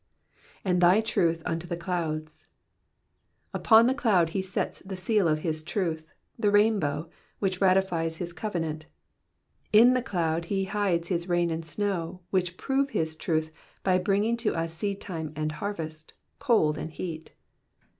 ^^And thy truth unto the douds,''^ Upon the cloud he sets the seal of his truth, the rain bow, which ratifies his covenant ; in the cloud he hides his rahi and snow, which prove his truth by bringing to us seedtime and harvest, cold and heat.